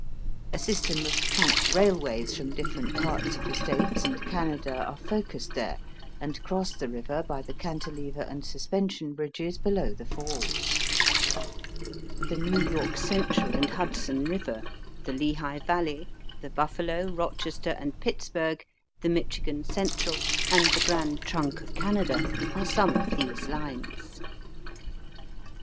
A system of trunk railways from different parts of the States and Canada are focussed there, and cross the river by the Cantilever and Suspension bridges below the Falls. The New York Central and Hudson River, the Lehigh Valley, the Buffalo, Rochester, and Pittsburgh, the Michigan Central, and the Grand Trunk of Canada, are some of these lines.